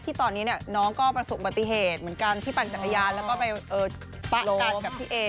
ที่ตอนนี้น้องก็ประสบปฏิเหตุเหมือนกันที่ปั่นจักรยานแล้วก็ไปปะกันกับพี่เอ